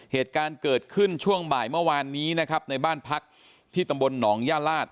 เหตุการณ์เกิดขึ้นช่วงบ่ายเมื่อวานนี้นะครับในบ้านพักที่ตำบลหนองย่าลาศ